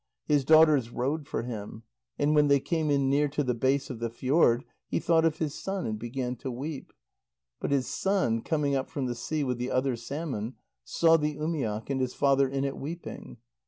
His daughters rowed for him. And when they came in near to the base of the fjord, he thought of his son, and began to weep. But his son, coming up from the sea with the other salmon, saw the umiak, and his father in it, weeping.